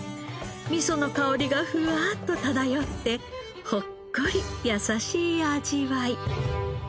みその香りがふわっと漂ってほっこり優しい味わい。